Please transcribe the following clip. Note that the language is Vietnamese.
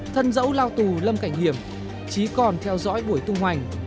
thân dẫu lao tù lâm cảnh hiểm trí còn theo dõi buổi tung hoành